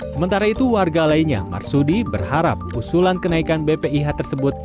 sementara itu warga lainnya marsudi berharap usulan kenaikan bpih tersebut